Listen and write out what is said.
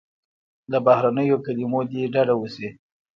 له بهرنیو کلیمو دې ډډه وسي.